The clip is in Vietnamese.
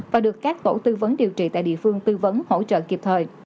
và được các tổ tư vấn điều trị tại địa phương tư vấn hỗ trợ kịp thời